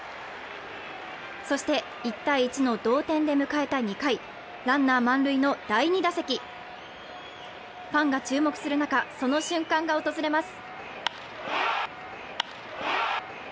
そして１−１の同点で迎えた２回ランナー満塁の第２打席ファンが注目する中その瞬間が訪れます